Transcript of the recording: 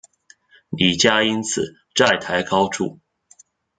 李家因此债台高筑。